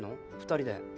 ２人で。